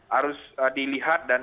harus dilihat dan